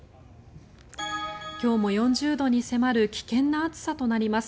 今日も４０度に迫る危険な暑さとなります。